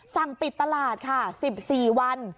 สั่งปิดตลาดค่ะ๑๔วัน